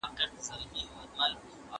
دغه ونه ډېره پخوانۍ ښکاري.